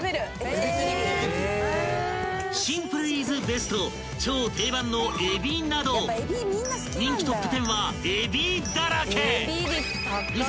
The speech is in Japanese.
［シンプル・イズ・ベスト超定番のえびなど人気トップ１０はえびだらけ！］